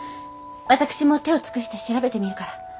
私も手を尽くして調べてみるから。